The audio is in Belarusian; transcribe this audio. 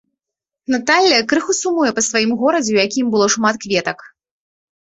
Наталля крыху сумуе па сваім горадзе, у якім было шмат кветак.